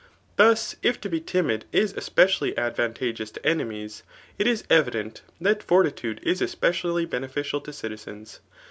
Thus, if to, be timid is eyerially advantageous to enemies, it is evident that for titude is especially beneficial to citizens.